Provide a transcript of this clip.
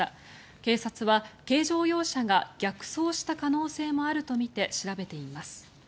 警察は軽乗用車が逆走した可能性もあるとみて調べています。